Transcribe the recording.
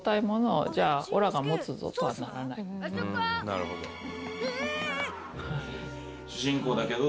「なるほど」主人公だけど。